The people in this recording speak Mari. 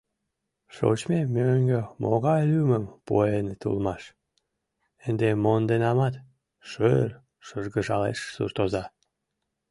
Шочмем мӧҥгӧ могай лӱмым пуэныт улмаш, ынде монденамат, — шыр-р шыргыжалеш суртоза.